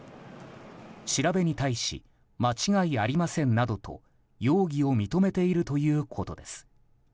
調べに対し間違いありませんなどと容疑を認めているということです。